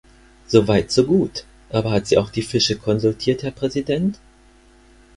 So weit so gut, aber hat sie auch die Fische konsultiert, Herr Präsident?!